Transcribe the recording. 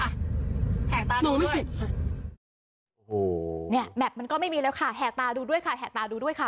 เนี่ยแม็กมันก็ไม่มีแล้วค่ะแหกตาดูด้วยค่ะ